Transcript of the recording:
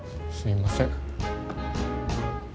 すいません。